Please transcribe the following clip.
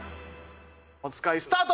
おつかいスタート。